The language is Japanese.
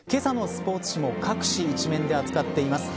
けさのスポーツ紙も各紙一面で扱っています。